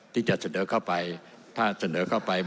ที่จะเสนอเข้าไปถ้าเสนอเข้าไป